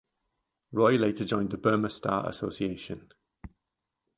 Roy later joined the Burma Star Association.